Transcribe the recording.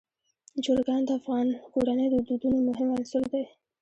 چرګان د افغان کورنیو د دودونو مهم عنصر دی.